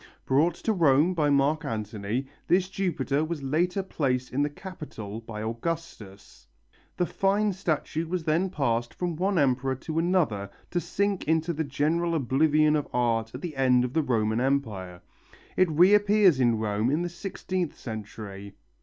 Brought to Rome by Mark Antony, this Jupiter was later placed in the Capitol by Augustus. The fine statue was then passed from one emperor to another, to sink into the general oblivion of art at the end of the Roman Empire. It reappears in Rome in the sixteenth century.